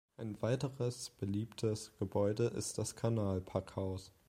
Ein weiteres beliebtes Gebäude ist das Kanal-Packhaus.